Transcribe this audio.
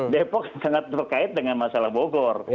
depok sangat terkait dengan masalah bogor